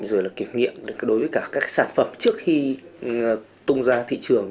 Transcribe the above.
rồi là kiểm nghiệm đối với cả các sản phẩm trước khi tung ra thị trường